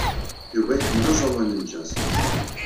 Yuba iḥemmel aẓawan n jazz.